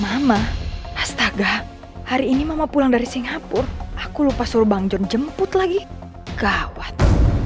mama astaga hari ini mama pulang dari singapura aku lupa suruh bang john jemput lagi kawat